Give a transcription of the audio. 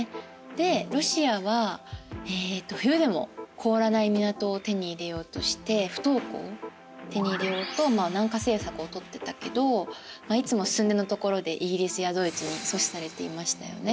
でロシアは冬でも凍らない港を手に入れようとして不凍港を手に入れようと南下政策をとってたけどいつもすんでのところでイギリスやドイツに阻止されていましたよね。